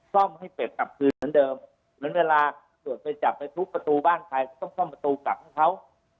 ซ่อมให้เป็ดกลับคืนเหมือนเดิมเหมือนเวลาตรวจไปจับไปทุบประตูบ้านใครต้องซ่อมประตูกลับให้เขา